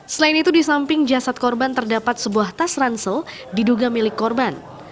selain itu di samping jasad korban terdapat sebuah tas ransel diduga milik korban